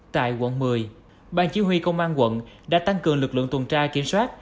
tại quận một mươi ban chí huy công an quận đã tăng cường lực lượng tuần tra kiểm soát